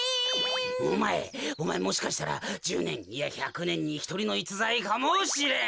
おまえおまえもしかしたら１０ねんいや１００ねんにひとりのいつざいかもしれん！